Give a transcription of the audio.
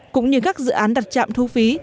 cũng như các dự án đặt chạm thu phí